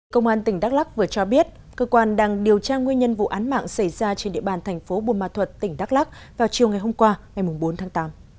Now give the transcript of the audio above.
công an tỉnh đắk lắc vừa cho biết cơ quan đang điều tra nguyên nhân vụ án mạng xảy ra trên địa bàn thành phố buôn ma thuật tỉnh đắk lắc vào chiều ngày hôm qua ngày bốn tháng tám